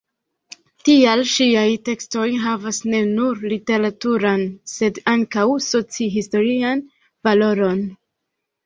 Tial ŝiaj tekstoj havas ne nur literaturan sed ankaŭ soci-historian valoron.